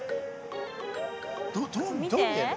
どどう見えんの？